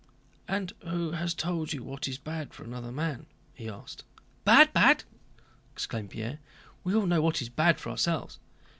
"And who has told you what is bad for another man?" he asked. "Bad! Bad!" exclaimed Pierre. "We all know what is bad for ourselves."